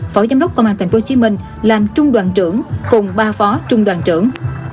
phó giám đốc công an tp hcm làm trung đoàn trưởng cùng ba phó trung đoàn trưởng